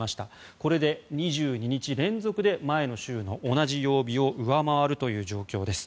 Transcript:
これで２２日連続で前の週の同じ曜日を上回るという状況です。